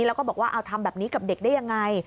แล้วก็บอกว่าเอาทำแบบนี้กับเด็กได้ยังไง